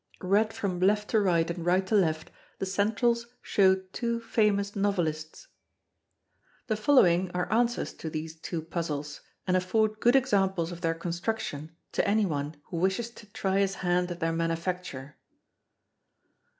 Read from left to right and right to left, the centrals show two famous novelists. The following are answers to these two puzzles, and afford good examples of their construction to any one who wishes to try his hand at their manufacture.